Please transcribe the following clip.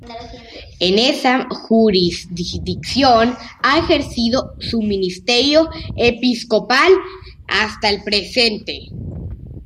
En esa Jurisdicción ha ejercido su ministerio episcopal hasta el presente.